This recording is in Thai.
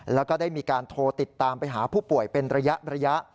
แล้วก็ได้มีการโทรติดตามไปหาผู้ป่วยเป็นระยะ